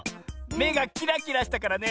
めがキラキラしたからね